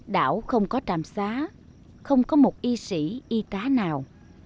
đảo không có trạm xá không có một y sĩ y tá nào